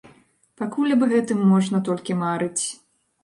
Пакуль аб гэтым можна толькі марыць.